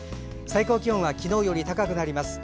最高気温は昨日より高くなります。